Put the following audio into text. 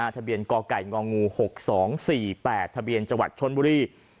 ทะเบียนกไก่งง๖๒๔๘ทะเบียนจชนบุรี